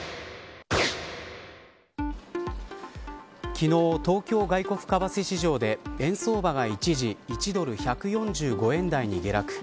昨日、東京外国為替市場で円相場が一時１ドル１４５円に下落。